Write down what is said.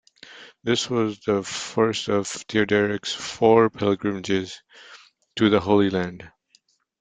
This was the first of Theoderic's four pilgrimages to the Holy Land.